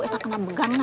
atau kena benggan nak